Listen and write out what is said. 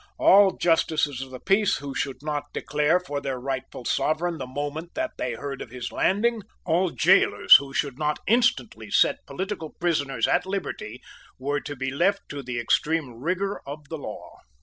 All justices of the peace who should not declare for their rightful Sovereign the moment that they heard of his landing, all gaolers who should not instantly set political prisoners at liberty, were to be left to the extreme rigour of the law.